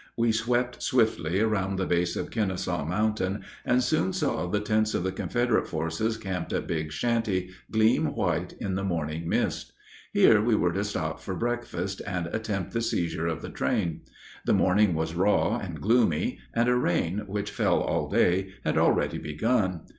We swept swiftly around the base of Kenesaw Mountain, and soon saw the tents of the Confederate forces camped at Big Shanty gleam white in the morning mist. Here we were to stop for breakfast, and attempt the seizure of the train. The morning was raw and gloomy, and a rain, which fell all day, had already begun.